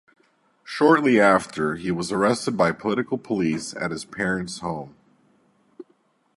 Shortly after, he was arrested by political police at his parents' home.